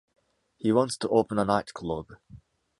He wants to open a nightclub.